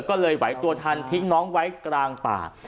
ก็เลยไหวตัวทันทิ้งน้องไว้กลางป่า